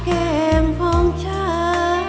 แฟนเค้าใครโทรมาหวากคำตา